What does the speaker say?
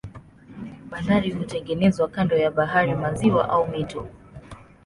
Bandari hutengenezwa kando ya bahari, maziwa au mito.